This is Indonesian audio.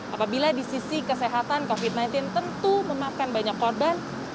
apabila di sisi kesehatan covid sembilan belas tentu memakan banyak korban